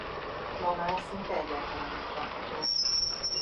Ma már szinte egyáltalán nem kapható.